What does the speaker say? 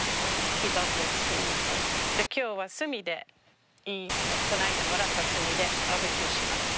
今日は炭でこないだもらった炭でバーベキューします。